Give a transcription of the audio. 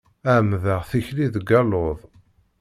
Ɛemmdeɣ tikli deg aluḍ.